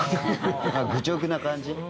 愚直な感じ。